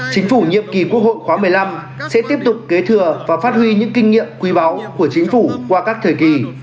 chính phủ nhiệm kỳ quốc hội khóa một mươi năm sẽ tiếp tục kế thừa và phát huy những kinh nghiệm quý báu của chính phủ qua các thời kỳ